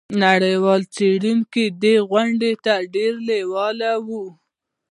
نړیوال څیړونکي دې غونډې ته ډیر لیواله وي.